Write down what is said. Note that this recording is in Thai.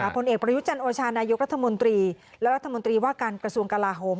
ผลเอกประยุจันโอชานายกรัฐมนตรีและรัฐมนตรีว่าการกระทรวงกลาโฮม